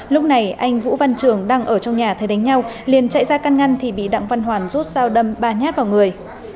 lúc này anh vũ văn trường đang ở trong nhà thấy đánh nhau liền chạy ra căn ngăn thì bị đặng văn hoàn rút sao đâm ba nhát vào người